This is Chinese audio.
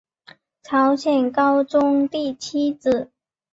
朝鲜高宗第七子。